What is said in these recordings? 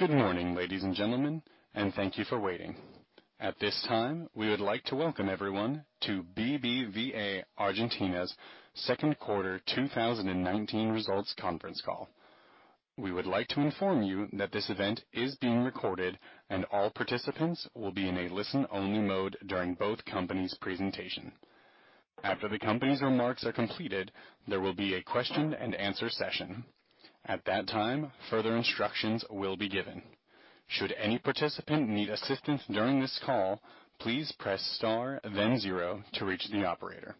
Good morning, ladies and gentlemen, and thank you for waiting. At this time, we would like to welcome everyone to BBVA Argentina's second quarter 2019 results conference call. We would like to inform you that this event is being recorded and all participants will be in a listen-only mode during both companies' presentation. After the companies' remarks are completed, there will be a question and answer session. At that time, further instructions will be given. Should any participant need assistance during this call, please press Star then Zero to reach the operator.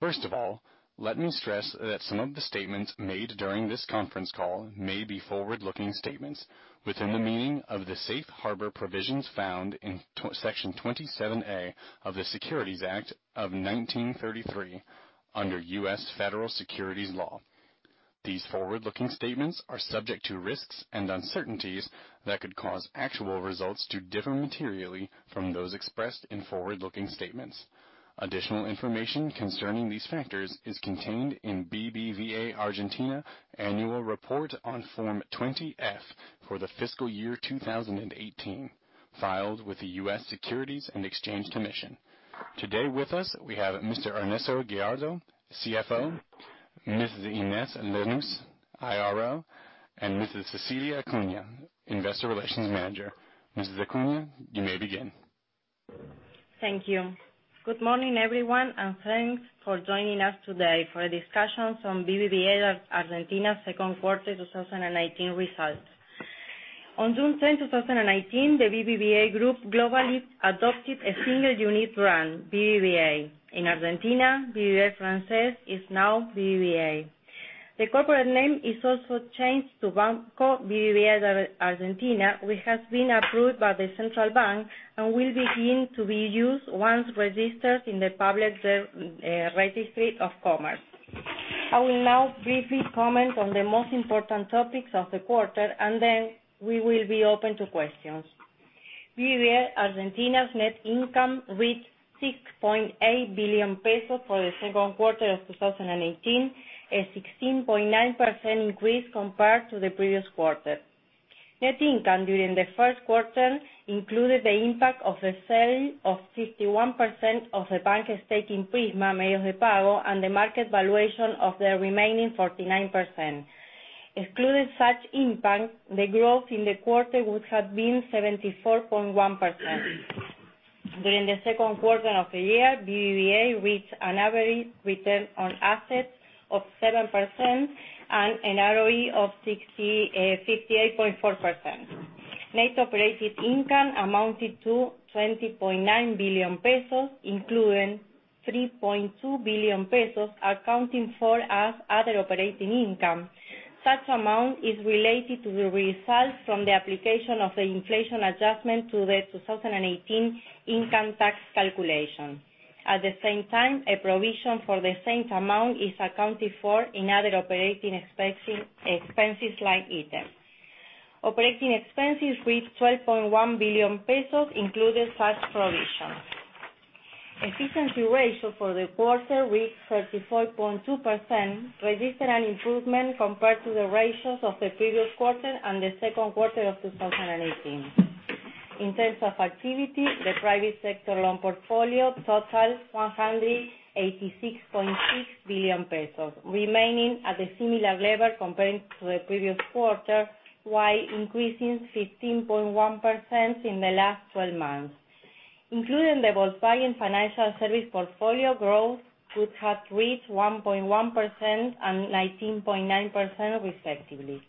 First of all, let me stress that some of the statements made during this conference call may be forward-looking statements within the meaning of the safe harbor provisions found in Section 27A of the Securities Act of 1933 under U.S. Federal Securities Law. These forward-looking statements are subject to risks and uncertainties that could cause actual results to differ materially from those expressed in forward-looking statements. Additional information concerning these factors is contained in BBVA Argentina annual report on Form 20-F for the fiscal year 2018, filed with the U.S. Securities and Exchange Commission. Today with us, we have Mr. Ernesto Gallardo, CFO, Mrs. Ines Lanusse, IRO, and Mrs. Cecilia Acuña, Investor Relations Manager. Mrs. Acuña, you may begin. Thank you. Good morning, everyone, and thanks for joining us today for a discussion on BBVA Argentina's second quarter 2019 results. On June 10, 2019, the BBVA Group globally adopted a single unit brand, BBVA. In Argentina, BBVA Francés is now BBVA. The corporate name is also changed to Banco BBVA Argentina, which has been approved by the Central Bank and will begin to be used once registered in the Public Registry of Commerce. I will now briefly comment on the most important topics of the quarter, and then we will be open to questions. BBVA Argentina's net income reached 6.8 billion pesos for the second quarter of 2018, a 16.9% increase compared to the previous quarter. Net income during the first quarter included the impact of the sale of 51% of the bank estate in Prisma Medios de Pago, and the market valuation of the remaining 49%. Excluding such impact, the growth in the quarter would have been 74.1%. During the second quarter of the year, BBVA reached an average return on assets of 7% and an ROE of 58.4%. Net operating income amounted to 20.9 billion pesos, including 3.2 billion pesos accounting for as other operating income. Such amount is related to the results from the application of the inflation adjustment to the 2018 income tax calculation. At the same time, a provision for the same amount is accounted for in other operating expenses like E10. Operating expenses reached 12.1 billion pesos, including such provisions. Efficiency ratio for the quarter reached 34.2%, registered an improvement compared to the ratios of the previous quarter and the second quarter of 2018. In terms of activity, the private sector loan portfolio totals 186.6 billion pesos, remaining at a similar level compared to the previous quarter, while increasing 15.1% in the last 12 months. Including the Volkswagen Financial Services portfolio growth, which had reached 1.1% and 19.9% respectively.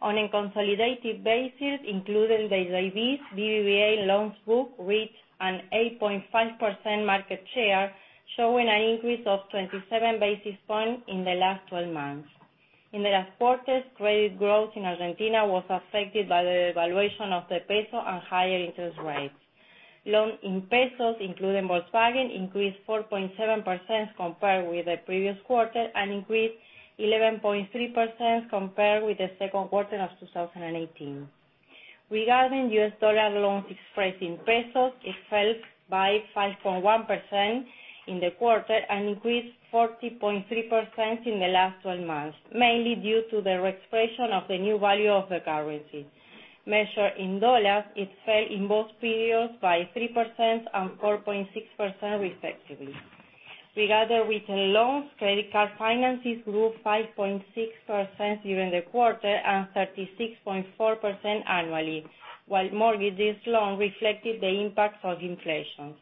On a consolidated basis, including the JVs, BBVA loan book reached an 8.5% market share, showing an increase of 27 basis points in the last 12 months. In the last quarter, credit growth in Argentina was affected by the valuation of the peso and higher interest rates. Loan in pesos, including Volkswagen, increased 4.7% compared with the previous quarter, and increased 11.3% compared with the second quarter of 2018. Regarding US dollar loans expressed in pesos, it fell by 5.1% in the quarter and increased 40.3% in the last 12 months, mainly due to the re-expression of the new value of the currency. Measured in $, it fell in both periods by 3% and 4.6% respectively. Regarding retail loans, credit card finances grew 5.6% during the quarter and 36.4% annually, while mortgages loan reflected the impact of inflation.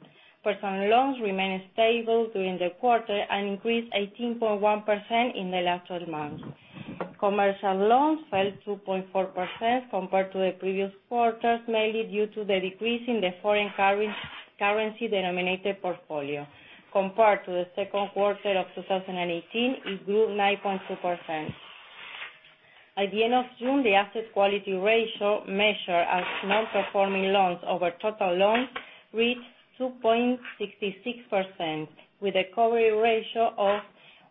Personal loans remained stable during the quarter and increased 18.1% in the last 12 months. Commercial loans fell 2.4% compared to the previous quarters, mainly due to the decrease in the foreign currency-denominated portfolio. Compared to the second quarter of 2018, it grew 9.2%. At the end of June, the asset quality ratio measured as non-performing loans over total loans reached 2.66%, with a recovery ratio of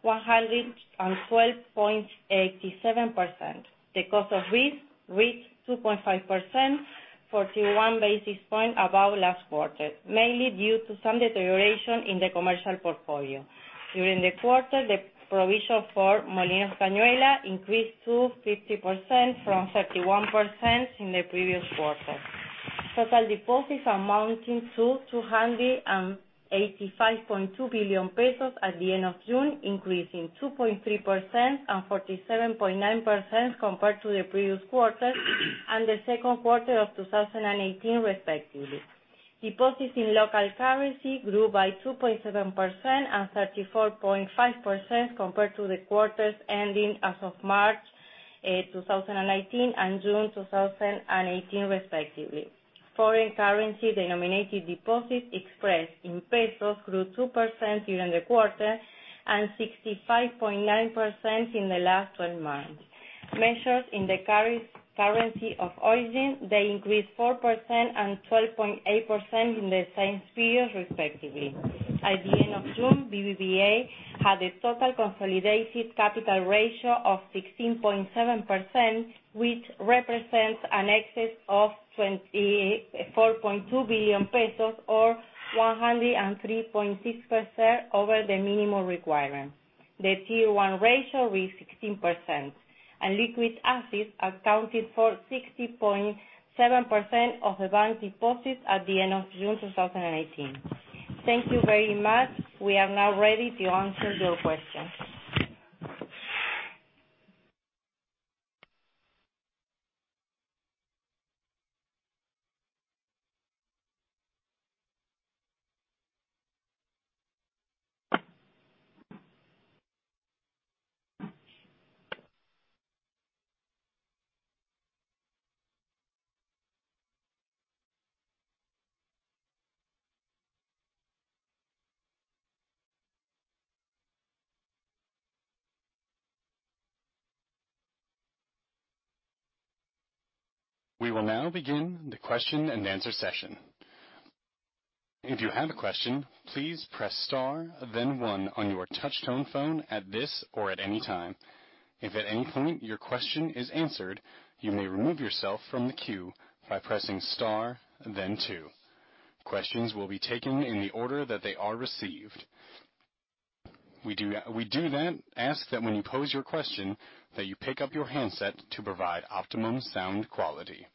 112.87%. The cost of risk reached 2.5%41 basis points above last quarter, mainly due to some deterioration in the commercial portfolio. During the quarter, the provision for Molino Cañuelas increased to 50% from 31% in the previous quarter. Total deposits amounting to 285.2 billion pesos at the end of June, increasing 2.3% and 47.9% compared to the previous quarter and the second quarter of 2018, respectively. Deposits in local currency grew by 2.7% and 34.5% compared to the quarters ending as of March 2019 and June 2018, respectively. Foreign currency denominated deposits expressed in ARS grew 2% during the quarter and 65.9% in the last 12 months. Measured in the currency of origin, they increased 4% and 12.8% in the same period, respectively. At the end of June, BBVA had a total consolidated capital ratio of 16.7%, which represents an excess of 24.2 billion pesos or 103.6% over the minimum requirement. The Tier 1 ratio is 16%, and liquid assets accounted for 60.7% of advanced deposits at the end of June 2018. Thank you very much. We are now ready to answer your questions. We will now begin the question and answer session. If you have a question, please press star then one on your touch tone phone at this or at any time. If at any point your question is answered, you may remove yourself from the queue by pressing star then two. Questions will be taken in the order that they are received. We do then ask that when you pose your question, that you pick up your handset to provide optimum sound quality.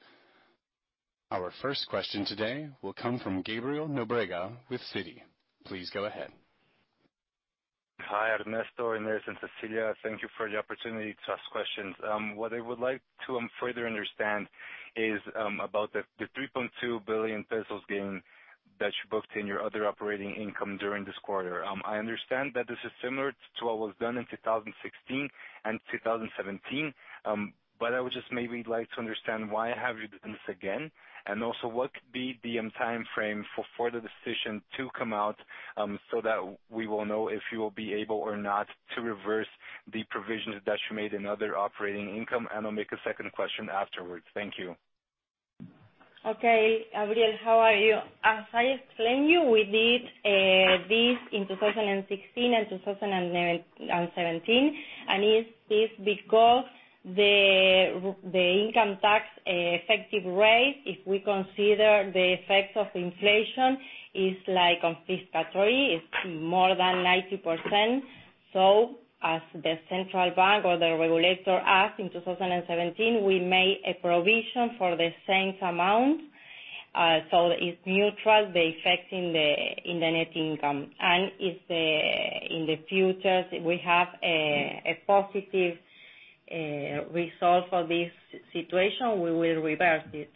Our first question today will come from Gabriel Nobrega with Citi. Please go ahead. Hi, Ernesto, Ines, and Cecilia. Thank you for the opportunity to ask questions. What I would like to further understand is about the 3.2 billion pesos gain that you booked in your other operating income during this quarter. I understand that this is similar to what was done in 2016 and 2017. I would just maybe like to understand why have you done this again? What could be the timeframe for the decision to come out, so that we will know if you will be able or not to reverse the provisions that you made in other operating income? I'll make a second question afterwards. Thank you. Okay, Gabriel. How are you? As I explained you, we did this in 2016 and 2017. It is because the income tax effective rate, if we consider the effects of inflation, is confiscatory. It's more than 90%. As the central bank or the regulator act in 2017, we made a provision for the same amount. It's neutral, the effect in the net income. If in the future we have a positive result for this situation, we will reverse it.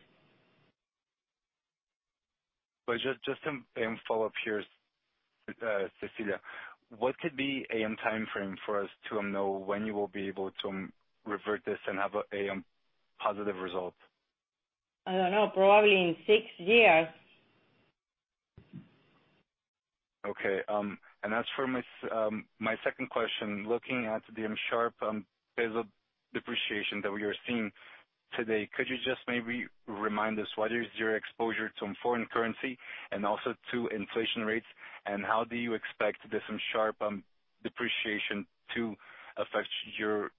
Just to follow up here, Cecilia. What could be a timeframe for us to know when you will be able to revert this and have a positive result? I don't know. Probably in six years. Okay. As for my second question, looking at the sharp peso depreciation that we are seeing today, could you just maybe remind us what is your exposure to foreign currency and also to inflation rates, how do you expect this sharp depreciation to affect your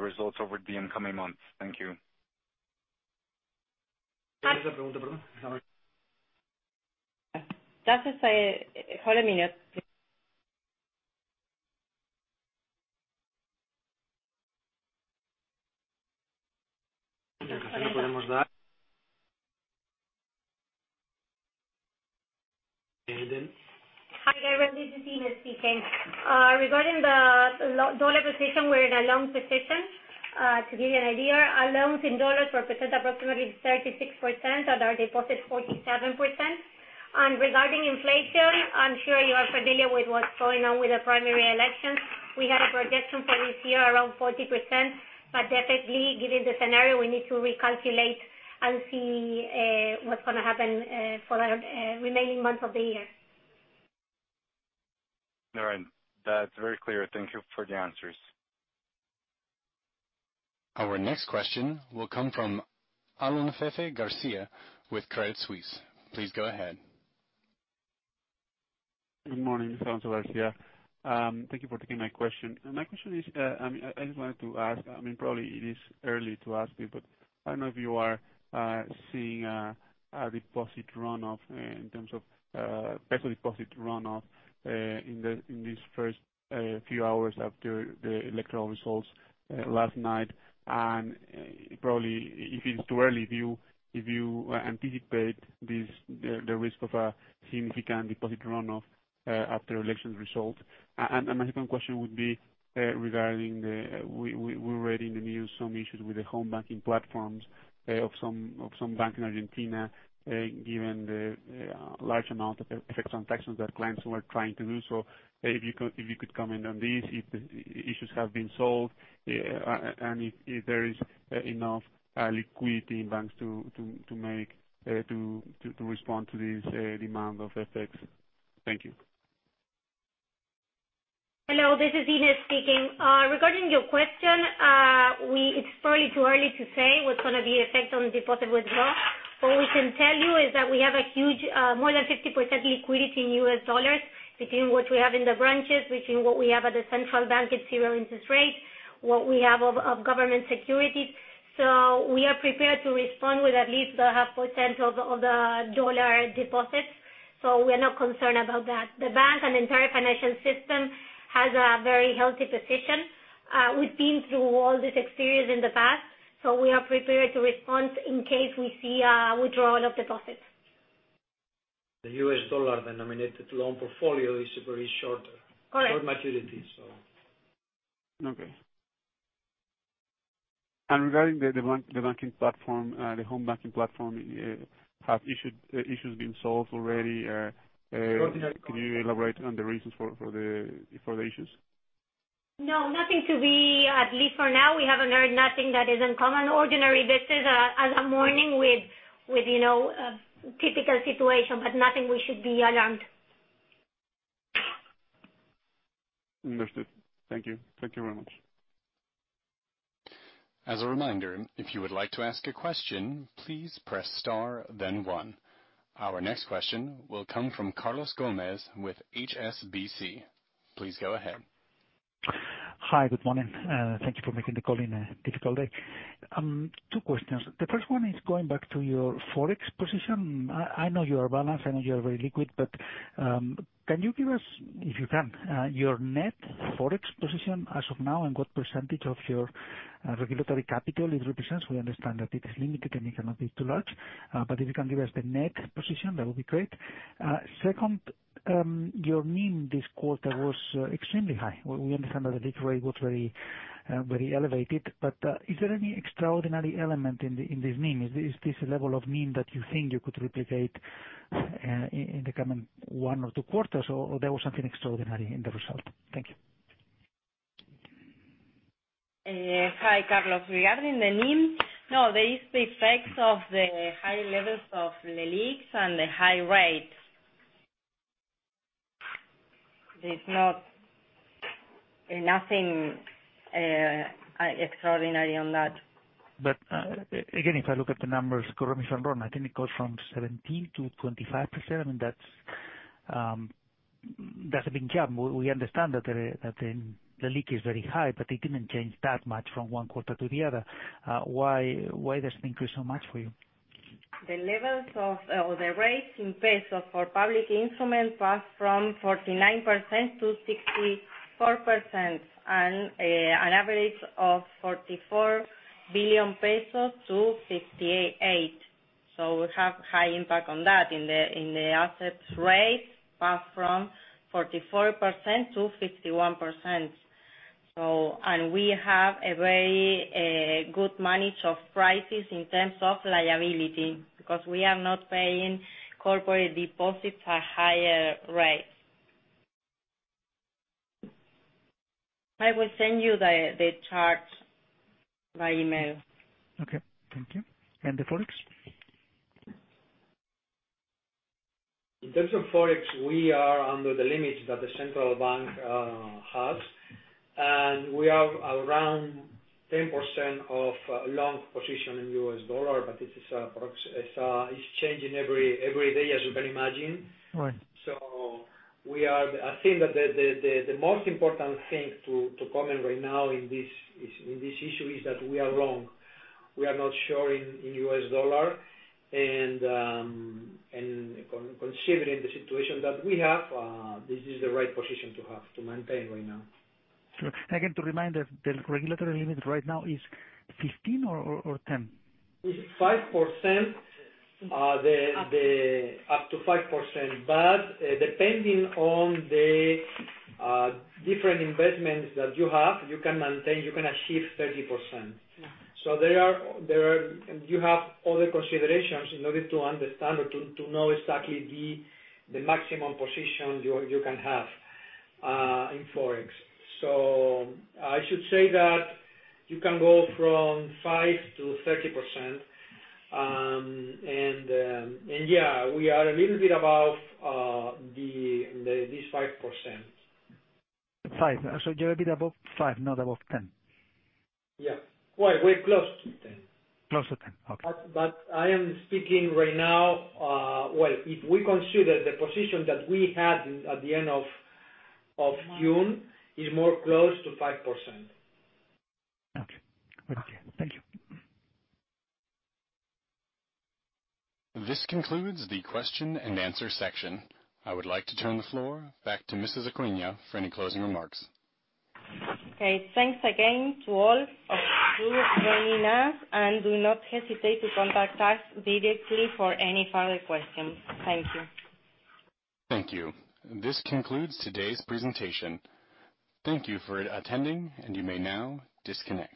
results over the incoming months? Thank you. Just a sec, hold a minute, please. Hi, Gabriel. Ines speaking. Regarding the dollar position, we're in a long position. To give you an idea, our loans in dollars represent approximately 36% of our deposit, 47%. Regarding inflation, I'm sure you are familiar with what's going on with the primary elections. We had a projection for this year around 40%, definitely given the scenario, we need to recalculate and see what's going to happen for our remaining months of the year. All right. That's very clear. Thank you for the answers. Our next question will come from Alonso Garcia with Credit Suisse. Please go ahead. Good morning, this is Alonso Garcia. Thank you for taking my question. I just wanted to ask, probably it is early to ask you, but I don't know if you are seeing a deposit runoff in terms of ARS deposit runoff in these first few hours after the electoral results last night. Probably, if it's too early, if you anticipate the risk of a significant deposit runoff after elections result. My second question would be regarding, we read in the news some issues with the home banking platforms of some banks in Argentina, given the large amount of payments on taxes that clients were trying to do. If you could comment on this, if the issues have been solved, and if there is enough liquidity in banks to respond to this demand of payments. Thank you. Hello, this is Ines speaking. Regarding your question, it's probably too early to say what's going to be the effect on deposit withdrawal. What we can tell you is that we have a huge, more than 50% liquidity in U.S. dollars, between what we have in the branches, between what we have at the central bank at zero interest rates, what we have of government securities. We are prepared to respond with at least the half percent of the dollar deposits, so we are not concerned about that. The bank and entire financial system has a very healthy position. We've been through all this experience in the past, so we are prepared to respond in case we see a withdrawal of deposits. The U.S. dollar denominated loan portfolio is very short. Correct. Short maturity. Okay. Regarding the banking platform, the home banking platform, have issues been solved already? Can you elaborate on the reasons for the issues? No, at least for now, we haven't heard nothing that is uncommon. Ordinary, this is a morning with a typical situation, but nothing we should be alarmed. Understood. Thank you. Thank you very much. As a reminder, if you would like to ask a question, please press star, then one. Our next question will come from Carlos Gomez-Lopez with HSBC. Please go ahead. Hi, good morning. Thank you for making the call in a difficult day. Two questions. The first one is going back to your Forex position. I know you are balanced, I know you are very liquid, but can you give us, if you can, your net Forex position as of now and what % of your regulatory capital it represents? We understand that it is limited and it cannot be too large. If you can give us the net position, that would be great. Second, your NIM this quarter was extremely high. We understand that the rate was very elevated, but is there any extraordinary element in this NIM? Is this level of NIM that you think you could replicate in the coming one or two quarters, or there was something extraordinary in the result? Thank you. Hi, Carlos. Regarding the NIM, no, there is the effects of the high levels of LELIQs and the high rates. There's nothing extraordinary on that. Again, if I look at the numbers, correct me if I'm wrong, I think it goes from 17 to 25%. That's a big jump. We understand that the LELIQ is very high, but it didn't change that much from one quarter to the other. Why does it increase so much for you? The levels of the rates in ARS for public instruments passed from 49%-64%, an average of 44 billion-68 billion pesos. We have high impact on that. In the assets rates, passed from 44%-51%. We have a very good manage of prices in terms of liability, because we are not paying corporate deposits a higher rate. I will send you the charts by email. Okay. Thank you. The Forex? In terms of Forex, we are under the limits that the central bank has. We have around 10% of long position in US dollar, but it's changing every day, as you can imagine. Right. I think that the most important thing to comment right now in this issue is that we are long. We are not short in US dollar, and considering the situation that we have, this is the right position to have, to maintain right now. Sure. Again, to remind, the regulatory limit right now is 15 or 10? 5%, up to 5%. Depending on the different investments that you have, you can maintain, you can achieve 30%. You have other considerations in order to understand or to know exactly the maximum position you can have in Forex. I should say that you can go from 5% to 30%, and yeah, we are a little bit above this 5%. Five. You're a bit above five, not above 10. Yeah. Well, we're close to 10. Close to 10. Okay. Well, if we consider the position that we had at the end of June, is more close to 5%. Okay. Thank you. This concludes the question and answer section. I would like to turn the floor back to Mrs. Acuña for any closing remarks. Okay. Thanks again to all of you joining us, and do not hesitate to contact us directly for any further questions. Thank you. Thank you. This concludes today's presentation. Thank you for attending, and you may now disconnect.